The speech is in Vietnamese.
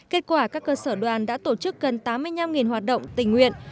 kết quả các cơ sở đoàn đã tổ chức gần tám mươi năm hoạt động tình nguyện